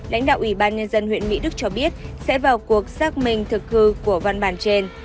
lãnh đạo ủy ban nhân dân huyện mỹ đức cho biết sẽ vào cuộc xác minh thực hư của văn bản trên